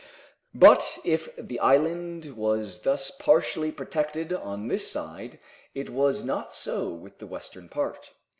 But if the island was thus partially protected on this side, it was not so with the western part.